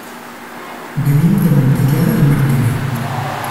Venim de Montellà i Martinet.